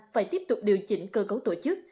phải tiếp tục điều chỉnh cơ cấu tổ chức